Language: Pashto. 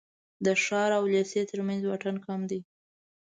د ښار او لېسې تر منځ واټن کم دی.